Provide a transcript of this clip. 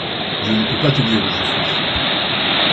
Je ne peux pas te dire où je suis.